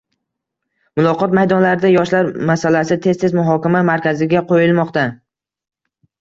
Muloqot maydonlarida yoshlar masalasi tez-tez muhokama markaziga qoʻyilmoqda.